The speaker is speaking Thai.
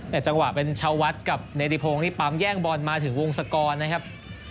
แต่จังหวะเป็นชาววัดกับเนติพงศ์นี่ปั๊มแย่งบอลมาถึงวงศกรนะครับ